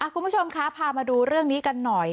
คุณผู้ชมคะพามาดูเรื่องนี้กันหน่อย